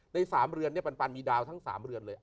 ใน๓เรือนปันมีดาวทั้ง๓เรือนเลย